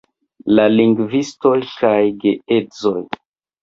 La lingvistoj kaj geedzoj